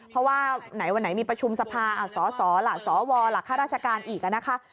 เพราะว่าวันไหนมีประชุมสภาสสสวหรือค่าราชการอีก